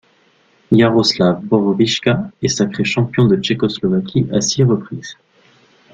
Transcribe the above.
Jaroslav Borovička est sacré champion de Tchécoslovaquie à six reprises.